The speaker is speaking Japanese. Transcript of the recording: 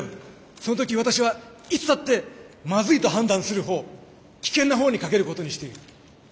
その時私はいつだってまずいと判断する方危険な方にかけることにしている。